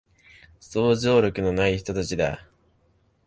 想像力のない人たちだ